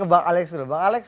bang alex dulu